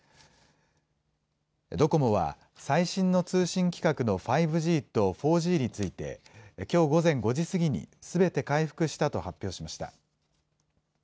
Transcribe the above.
ドコモは、最新の通信規格の５Ｇと４Ｇについて、きょう午前５時過ぎに、すべて回復したと発表しました。